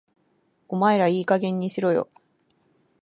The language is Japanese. お前らいい加減にしろよ